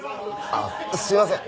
あっすいません